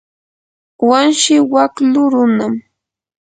wanshi waklu runam.